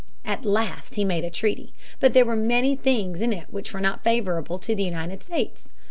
At last he made a treaty. But there were many things in it which were not at all favorable to the United States.